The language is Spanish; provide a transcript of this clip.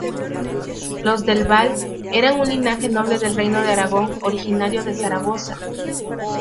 Los del Val eran un linaje noble del reino de Aragón, originario de Zaragoza.